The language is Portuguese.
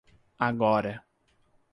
Agora